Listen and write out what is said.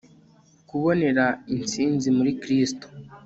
Kubonera Intsinzi muri Kristo